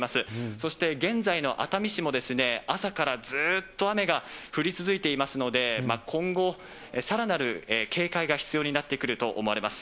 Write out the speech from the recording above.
そして現在の熱海市も、朝からずっと雨が降り続いていますので、今後、さらなる警戒が必要になってくると思われます。